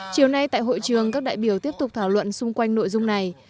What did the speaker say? chiều nay tại hội trường các đại biểu tiếp tục thảo luận xung quanh nội dung này